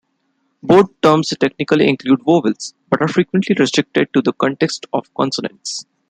Both terms technically include vowels, but are frequently restricted to the context of consonants.